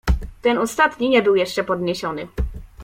"Ten ostatni nie był jeszcze podniesiony."